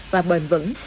và bền vững